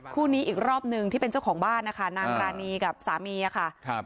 คู่นี้อีกรอบหนึ่งที่เป็นเจ้าของบ้านนะคะนางรานีกับสามีอะค่ะครับ